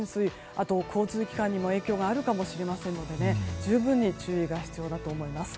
あと交通機関にも影響があるかもしれませんので十分に注意が必要だと思います。